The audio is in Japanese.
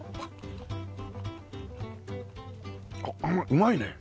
うまいね！